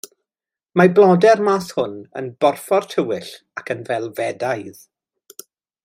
Mae blodau'r math hwn yn borffor tywyll ac yn felfedaidd.